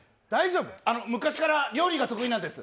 昔から料理が得意なんです。